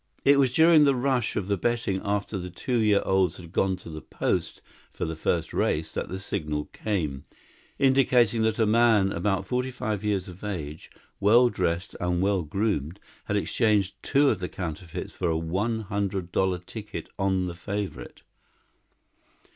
It was during the rush of the betting after the two year olds had gone to the post for the first race that the signal came indicating that a man about forty five years of age, well dressed and well groomed, had exchanged two of the counterfeits for a one hundred dollar ticket on the favorite.